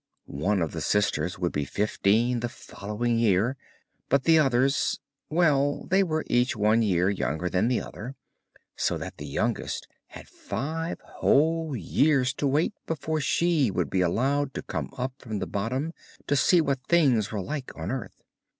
One of the sisters would be fifteen in the following year, but the others, well, they were each one year younger than the other, so that the youngest had five whole years to wait before she would be allowed to come up from the bottom, to see what things were like on earth.